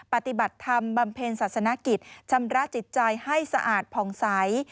ปฏิบัติธรรมบำเพ็ญศาสนกิจชำระจิตใจให้สะอาดผ่องใส